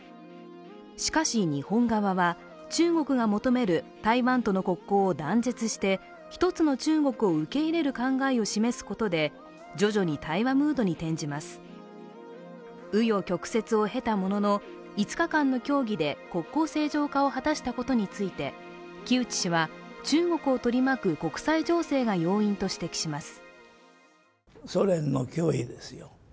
しかし日本側は中国が求める台湾との国交を断絶して一つの中国を受け入れる考えを示すことで徐々に対話ムードに転じます紆余曲折を経たものの５日間の協議で国交正常化を果たしたことについて木内氏は中国を取り巻く国際情勢が要因と指摘します